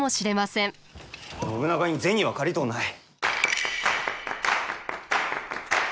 信長に銭は借りとうない。